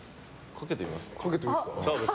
かけていいですか？